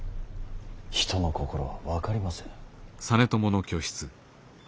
人の心は分かりませぬ。